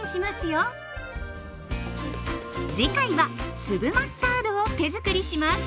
次回は粒マスタードを手づくりします。